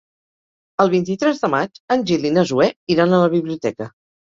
El vint-i-tres de maig en Gil i na Zoè iran a la biblioteca.